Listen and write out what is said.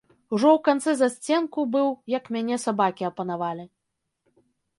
Ужо ў канцы засценку быў, як мяне сабакі апанавалі.